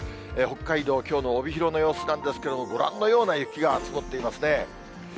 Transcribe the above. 北海道、きょうの帯広の様子なんですけれども、ご覧のような雪が積もっていますね。